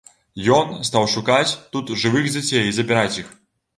Ён стаў шукаць тут жывых дзяцей і забіраць іх.